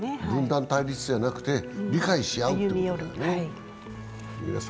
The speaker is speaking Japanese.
分断、対立じゃなくて理解し合うというね。